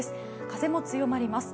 風も強まります。